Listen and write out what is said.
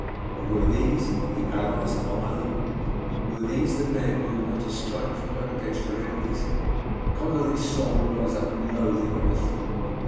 And were these the Allies of Ireland? Were these the men who were to strike for her against her enemies? Conolly's soul rose up in loathing at the thought.